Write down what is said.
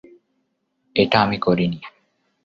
এটা আমি করিনি।